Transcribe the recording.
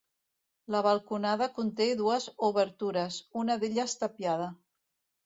La balconada conté dues obertures, una d'elles tapiada.